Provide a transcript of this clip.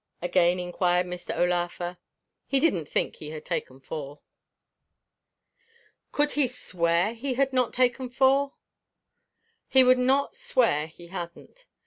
again inquired Mr. O'Laugher; he didn't think he had taken four. Could he swear he had not taken four? He would not swear he hadn't.